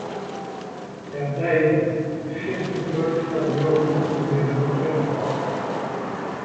De abdij is fierstente grut foar de njoggen muontsen dy't der noch sitte.